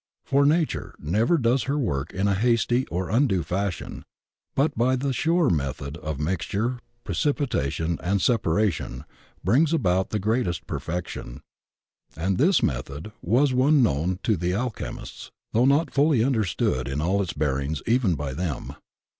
For Nature never does her work in a hasty or undue fashion, but, by the sure method of mixture, precipitation, and sepa ration, brings about the greatest perfection. And Ais method was one known to the Alchemists, though not fully understood in all its bearings even by them.